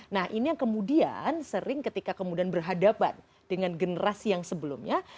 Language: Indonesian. nah ini yang kemudian sering ketika kemudian berhadapan dengan generasi yang sebelumnya